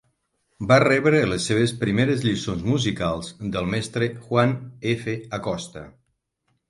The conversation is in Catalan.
Va rebre les seves primers lliçons musicals del mestre Juan F. Acosta.